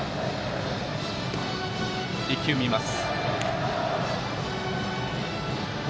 １球、見ます。